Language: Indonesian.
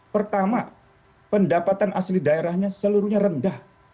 pertama pendapatan asli daerahnya seluruhnya rendah